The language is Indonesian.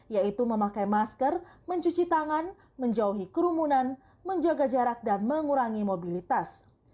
yaitu memakai masker mencuci tangan menjauhi kerumunan menjaga jarak dan mengurangi mobilitas